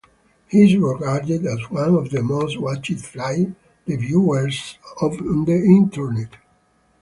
He is regarded as one of the most watched flight reviewers on the internet.